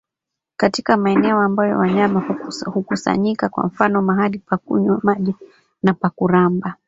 katika maeneo ambayo wanyama hukusanyika kwa mfano mahali pa kunywa maji na pa kuramba